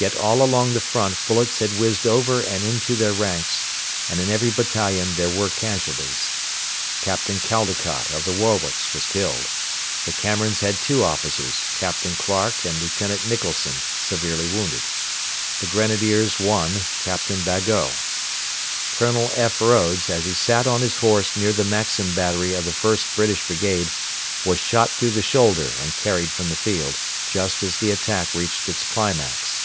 Yet all along the front bullets had whizzed over and into the ranks, and in every battalion there were casualties. Captain Caldecott, of the Warwicks, was killed; the Camerons had two officers, Captain Clarke and Lieutenant Nicholson, severely wounded; the Grenadiers one, Captain Bagot. Colonel F. Rhodes, as he sat on his horse near the Maxim battery of the 1st British Brigade, was shot through the shoulder and carried from the field just as the attack reached its climax.